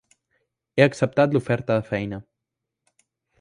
He acceptat l'oferta de feina.